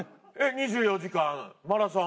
２４時間マラソン？